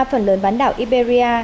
phần lớn bán đảo iberia